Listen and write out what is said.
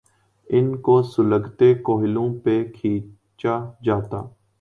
ان کو سلگتے کوئلوں پہ کھینچا جاتا۔